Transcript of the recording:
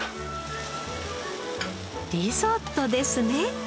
リゾットですね。